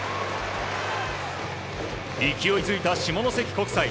勢いづいた下関国際。